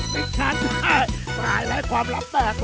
มิคคันตายตายแล้วความลับแตก